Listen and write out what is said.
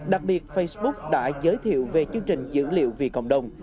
đặc biệt facebook đã giới thiệu về chương trình dữ liệu vì cộng đồng